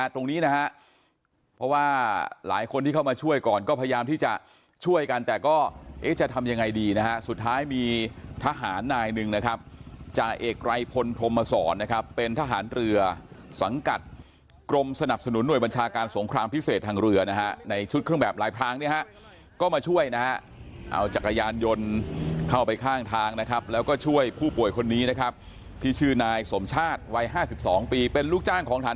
ก็พยายามที่จะช่วยกันแต่ก็เอ๊ะจะทำยังไงดีนะฮะสุดท้ายมีทหารนายหนึ่งนะครับจะเอกรายพลพรมสอนนะครับเป็นทหารเรือสังกัดกรมสนับสนุนหน่วยบัญชาการสงครามพิเศษทางเรือนะฮะในชุดเครื่องแบบลายพล้างเนี่ยฮะก็มาช่วยนะฮะเอาจักรยานยนต์เข้าไปข้างทางนะครับแล้วก็ช่วยผู้ป่วยคนนี้นะครับที่ชื่อนายสมชาติวัยห